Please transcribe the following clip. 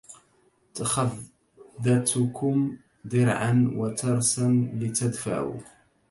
تخذتكم درعا وترسا لتدفعوا